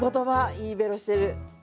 いいベロしてる。